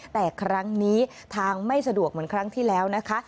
แต่ครั้งนี้ทางไม่สะดวกเหมือนครั้งที่แล้วนะคะ